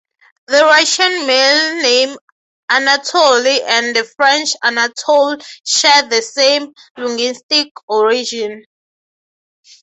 The Russian male name Anatoly and the French Anatole share the same linguistic origin.